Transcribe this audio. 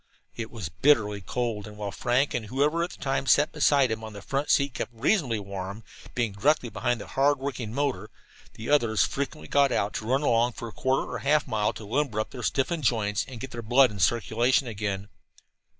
It was bitterly cold, and while Frank and whoever at the time sat beside him on the front seat kept reasonably warm, being directly behind the hard working motor, the others frequently got out, to run along for a quarter or half a mile to limber up their stiffened joints and get their blood in circulation again.